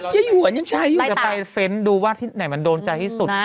อย่าหวนยังใช้อยู่จะไปเซ้นดูว่าที่ไหนมันโดนใจที่สุด